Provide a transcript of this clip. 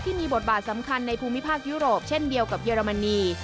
บทบาทสำคัญในภูมิภาคยุโรปเช่นเดียวกับเยอรมนี